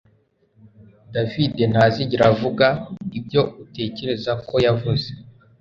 David ntazigera avuga ibyo utekereza ko yavuze